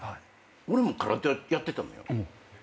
俺も空手やってたのよ。